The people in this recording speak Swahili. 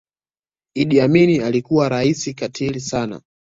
idi amin alikuwa raisi katili sana